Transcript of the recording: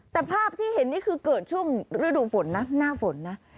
แต่ภาพที่เห็นนี่คือเกิดช่วงฤดูฝนนะหน้าฝนนะ